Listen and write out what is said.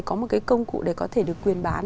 có một cái công cụ để có thể được quyền bán